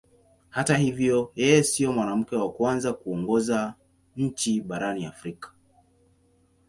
Hata hivyo yeye sio mwanamke wa kwanza kuongoza nchi barani Afrika.